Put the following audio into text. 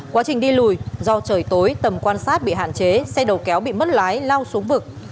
quá trình đi lùi do trời tối tầm quan sát bị hạn chế xe đầu kéo bị mất lái lao xuống vực